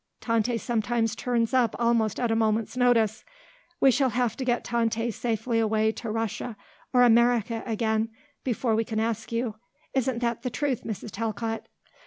Tante sometimes turns up almost at a moment's notice. We shall have to get Tante safely away to Russia, or America again, before we can ask you; isn't that the truth, Mrs. Talcott?"